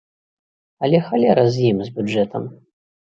Але халера з ім, з бюджэтам.